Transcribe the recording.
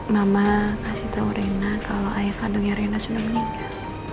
mama kasih tahu rena kalau ayah kandungnya erina sudah meninggal